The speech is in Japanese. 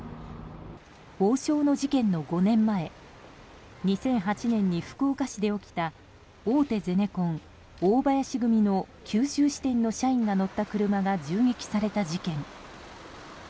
王将の事件の５年前２００８年に福岡市で起きた大手ゼネコン、大林組の九州支店の社員が乗った車が銃撃された事件。